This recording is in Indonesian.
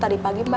tadi pagi mbak